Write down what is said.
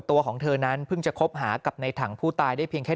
ตัวของเธอนั้นเพิ่งจะคบหากับในถังผู้ตายได้เพียงแค่